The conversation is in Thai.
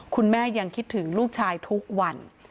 คุณแม่ยังคิดถึงลูกชายทุกวัน